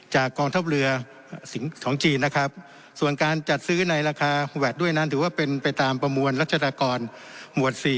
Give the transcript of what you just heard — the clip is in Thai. กองทัพเรือของจีนนะครับส่วนการจัดซื้อในราคาแวดด้วยนั้นถือว่าเป็นไปตามประมวลรัชดากรหมวด๔